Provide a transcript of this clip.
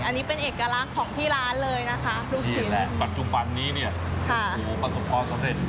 อันนี้เป็นเอกลักษณ์ของที่ร้านเลยนะคะลูกชิ้นและปัจจุบันนี้เนี่ยโอ้โหประสบความสำเร็จ